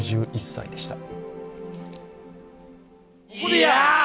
６１歳でした。